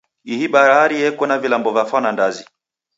Ihi bahari yeko na vilambo va fwana ndazi.